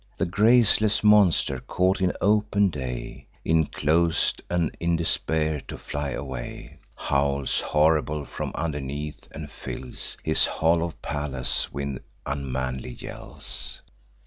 The graceless monster, caught in open day, Inclos'd, and in despair to fly away, Howls horrible from underneath, and fills His hollow palace with unmanly yells.